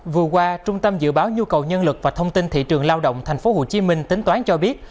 vừa qua trung tâm dự báo nhu cầu nhân lực và thông tin thị trường lao động tp hcm tính toán cho biết